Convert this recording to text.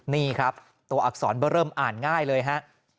นี่ครับตัวอักษรเบอร์เริ่มอ่านง่ายเลยฮะ